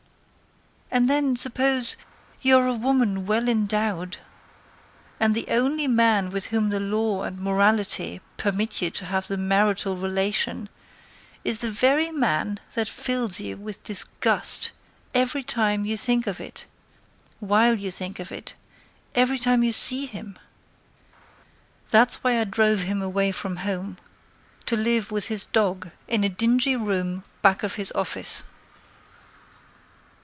And then, suppose; You are a woman well endowed, And the only man with whom the law and morality Permit you to have the marital relation Is the very man that fills you with disgust Every time you think of it while you think of it Every time you see him? That's why I drove him away from home To live with his dog in a dingy room Back of his office.